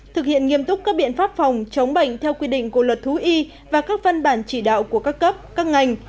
thực hiện nghiêm túc các biện pháp phòng chống bệnh theo quy định của luật thú y và các văn bản chỉ đạo của các cấp các ngành